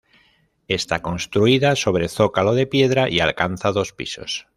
Está construida sobre zócalo de piedra y alcanza dos pisos.